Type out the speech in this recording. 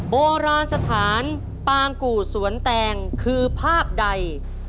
โบราณสถานปางกู่สวนแตงคือภาพใด